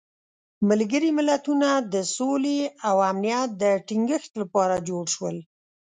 ملګري ملتونه د سولې او امنیت د تینګښت لپاره جوړ شول.